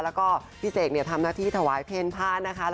แล้วก็พี่เสกทำหน้าที่ถวายเพลงพระนะคะ